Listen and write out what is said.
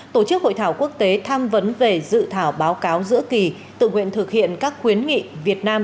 tổ chức hội thảo quốc tế tham vấn về dự thảo báo cáo giữa kỳ tự nguyện thực hiện các khuyến nghị việt nam